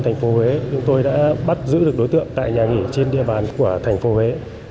thành phố huế chúng tôi đã bắt giữ được đối tượng tại nhà nghỉ trên địa bàn của thành phố huế